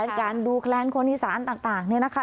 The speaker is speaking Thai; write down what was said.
การดูแคลนคนอีสานต่างเนี่ยนะคะ